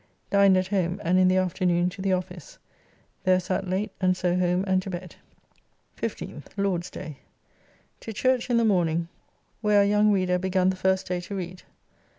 Dined at home, and in the afternoon to the office. There sat late, and so home and to bed. 15th (Lord's day). To church in the morning, where our young Reader begun the first day to read.